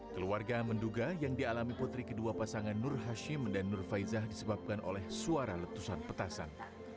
keluarga menduga yang dialami putri kedua pasangan nur hashim dan nur faizah disebabkan oleh suara letusan petasan